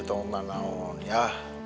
kita cuma cemas dan khawatir